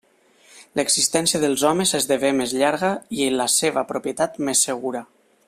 L'existència dels homes esdevé més llarga i la seva propietat més segura.